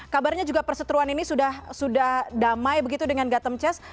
kabarnya juga perseteruan ini sudah damai begitu dengan gathem chess